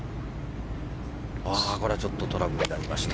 これはちょっとトラブルになりました。